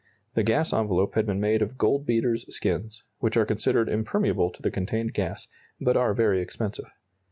The gas envelope had been made of goldbeater's skins, which are considered impermeable to the contained gas, but are very expensive.